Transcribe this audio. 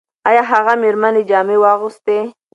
ایا هغه مېرمنې جامې واغوستې؟